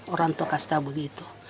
orang tokasta begitu